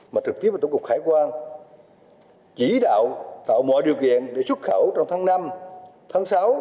mà trực tiếp với tổng cục hải quan chỉ đạo tạo mọi điều kiện để xuất khẩu trong tháng năm tháng sáu